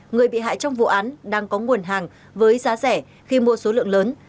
người bị hại trong vụ án đang có nguồn hàng với giá rẻ khi mua số lượng lớn